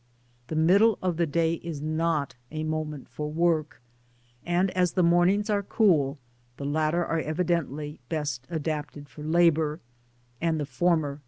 The middle of the day is not a moment for work, and as the. mornings are cool, the latter are evi dently best adapted for labour, and the former for repose.